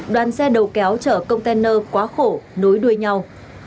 đoàn xe đầu kéo chở công tên ơ quá khổ nối đuôi nhau